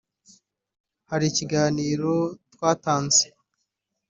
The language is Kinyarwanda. Hari ikiganiro twatanze